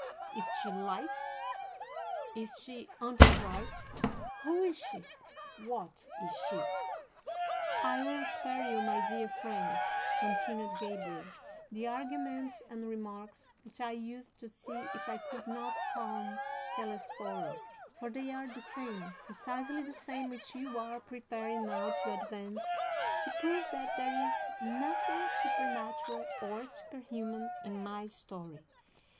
Is she Life? Is she Antichrist? Who is she? What is she?'" V. "I will spare you, my dear friends," continued Gabriel, "the arguments and remarks which I used to see if I could not calm Telesforo, for they are the same, precisely the same, which you are preparing now to advance to prove that there is nothing supernatural or superhuman in my story.